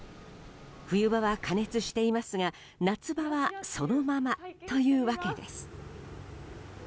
冬場は加熱していますが夏場はそのままというわけです。